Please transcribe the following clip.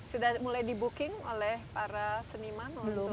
sudah mulai di booking oleh para seniman